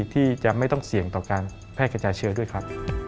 ที่จะไม่ต้องเสี่ยงต่อการแพร่กระจายเชื้อด้วยครับ